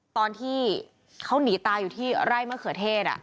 ตอนที่เขาหนีตายอยู่ที่ไร่มะเขือเทศ